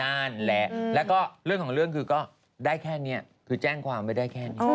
นั่นแหละแล้วก็เรื่องของเรื่องคือก็ได้แค่นี้คือแจ้งความไม่ได้แค่นี้